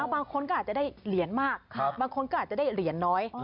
บางคนก็อาจจะได้เหรียญมากบางคนก็อาจจะได้เหรียญน้อย